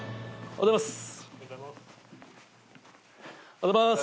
おはようございます。